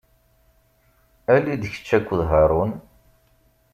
Ali-d kečč akked Haṛun.